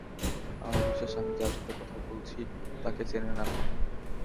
আমার বিশ্বাস, আমি যার সাথে কথা বলছি, তাকে চেনেন আপনি।